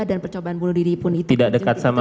dan percobaan bunuh diri pun itu tidak dekat sama